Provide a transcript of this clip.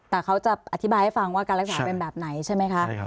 แต่เขาจะอธิบายให้ฟังว่าการรักษาเป็นแบบไหนใช่ไหมคะ